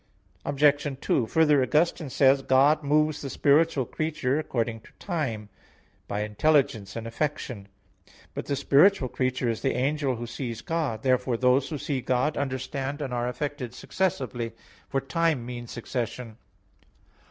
Obj. 2: Further, Augustine says (Gen. ad lit. viii, 22, 23), "God moves the spiritual creature according to time" i.e. by intelligence and affection. But the spiritual creature is the angel who sees God. Therefore those who see God understand and are affected successively; for time means succession.